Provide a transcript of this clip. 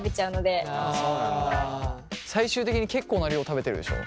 最終的に結構な量食べてるでしょ？